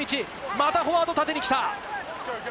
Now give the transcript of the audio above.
またフォワード、縦に来た。